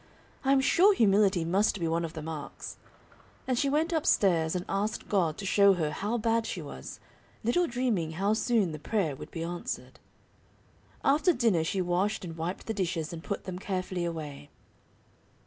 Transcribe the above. "I am sure humility must be one of the marks;" and she went up stairs and asked God to show her how bad she was, little dreaming how soon the prayer would be answered. After dinner she washed and wiped the dishes and put them carefully away.